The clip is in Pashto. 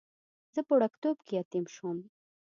زه په وړکتوب کې یتیم شوم.